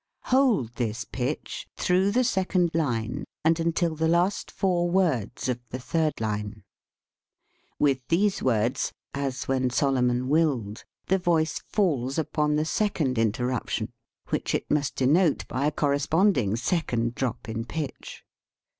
; Hold this pitch through the second line and until the last four words of the third line. With these words, "as when Solomon willed," the voice falls upon the second interruption, which it must denote by a corresponding second drop in pitch.